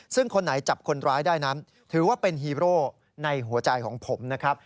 ซึ่งคนไหนจับคนร้ายได้นั้นถือว่าเป็นฮีโร่ในหัวใจของผมนะครับ